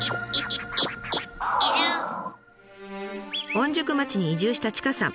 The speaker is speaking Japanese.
御宿町に移住した千賀さん。